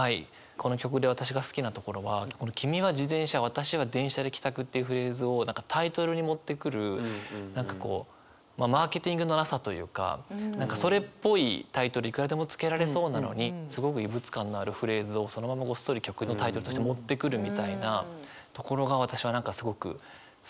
この曲で私が好きなところは「君は自転車私は電車で帰宅」っていうフレーズをタイトルに持ってくる何かこうマーケティングのなさというかそれっぽいタイトルいくらでも付けられそうなのにすごく異物感のあるフレーズをそのままごっそり曲のタイトルとして持ってくるみたいなところが私は何かすごく好きなんですよね。